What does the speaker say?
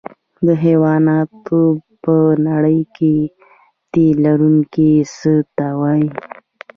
د حیواناتو په نړۍ کې تی لرونکي څه ته وایي